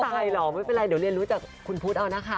ใช่เหรอไม่เป็นไรเดี๋ยวเรียนรู้จากคุณพุทธเอานะคะ